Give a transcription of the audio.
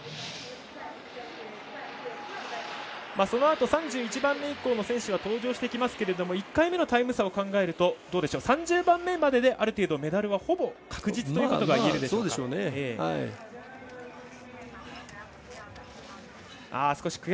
そのあと、３１番目以降の選手登場してきますけれども１回目のタイム差を考えると３０番目まででメダルはほぼ確実といえますか。